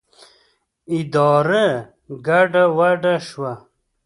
اداره ګډه وډه شوه.